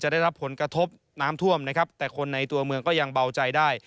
ได้รับผลกระทบน้ำท่วมนะครับแต่คนในตัวเมืองก็ยังเบาใจได้